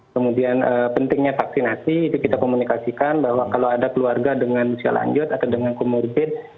kemudian pentingnya vaksinasi itu kita komunikasikan bahwa kalau ada keluarga dengan usia lanjut atau dengan comorbid